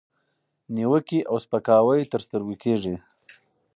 نیوکې او سپکاوي تر سترګو کېږي،